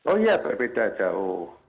oh iya berbeda jauh